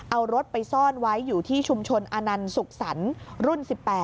เอารถไปซ่อนไว้อยู่ที่ชุมชนอนันต์สุขสรรค์รุ่น๑๘